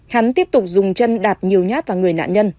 hắn tiếp tục dùng chân đạp nhiều nhát vào người nạn nhân